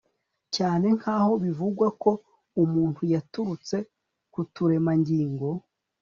cyane nkaho bivugwako umuntu yaturutse kuturemangingo